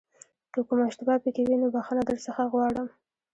که کومه اشتباه پکې وي نو بښنه درڅخه غواړم.